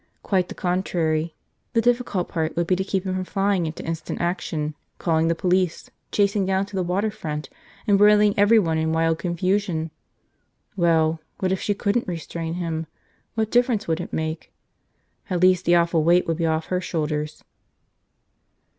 Quite the contrary. The difficult part would be to keep him from flying into instant action, calling the police, chasing down to the water front, embroiling everyone in wild confusion. Well, what if she couldn't restrain him? What difference would it make? At least the awful weight would be off her shoulders.